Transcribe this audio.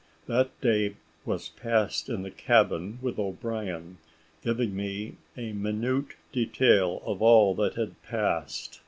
That day was passed in the cabin with O'Brien, giving me a minute detail of all that had passed.